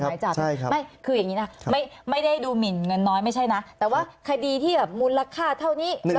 หมายจับไม่คืออย่างนี้นะไม่ได้ดูหมินเงินน้อยไม่ใช่นะแต่ว่าคดีที่แบบมูลค่าเท่านี้